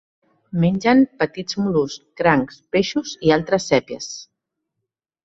Mengen petits mol·luscs, crancs, peixos i altres sèpies.